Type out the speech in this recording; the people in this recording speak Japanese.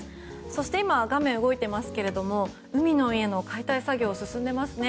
そして今、画面が動いていますが海の家の解体作業も進んでいますね。